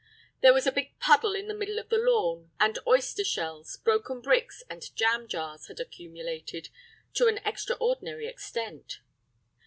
There was a big puddle in the middle of the lawn, and oyster shells, broken bricks, and jam jars had accumulated to an extraordinary extent.